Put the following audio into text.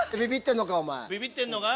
ビビってんのか？